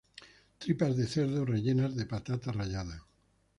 Tripas de cerdo rellenas de patata rallada.